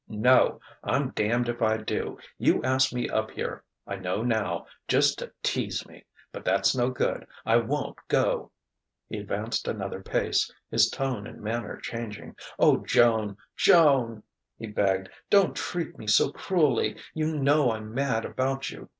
"No, I'm damned if I do. You asked me up here I know now just to tease me. But that's no good. I won't go!" He advanced another pace, his tone and manner changing. "O Joan, Joan!" he begged "don't treat me so cruelly! You know I'm mad about you.